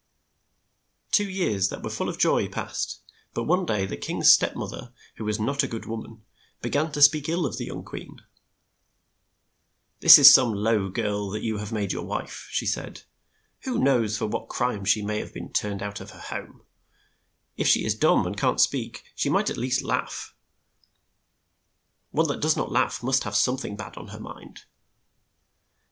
Two years that were full of joy passed, but one day the king's step moth er, who was not a good wom an, be gan to speak ill of the young queen. "This is some low girl that you have made your wife," said she. "Who knows for what crime she may have been turned out of her home? If she is dumb and can't speak, she might at least laugh. One that does not laugh must have some thing bad on her mind."